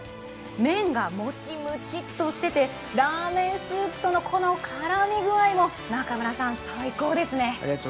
麺がもちむちっとしててラーメンスープとの絡み具合も中村さん、最高ですね！